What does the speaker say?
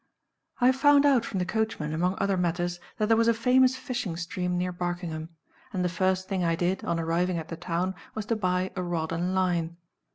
I found out from the coachman, among other matters, that there was a famous fishing stream near Barkingham; and the first thing I did, on arriving at the town, was to buy a rod and line.